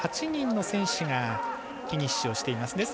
８人の選手がフィニッシュしています。